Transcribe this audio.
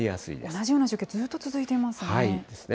同じような状況、ずっと続いていますね。ですね。